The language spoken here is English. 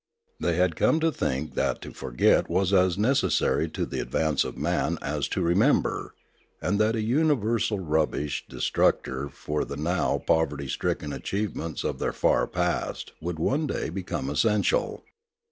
They had come to think that to forget was as necessary to the advance of man as to remember, and that a universal rubbish destructor for the now poverty stricken achievements of their far past would one day become essential.